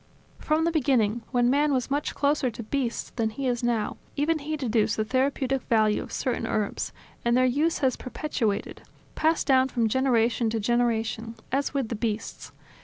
From the beginning, when man was much closer to beasts than than he is now, even he deduced the therapeutic value of certain herbs: and their use has perpetuated, passed down from generation to generation, as with the beasts.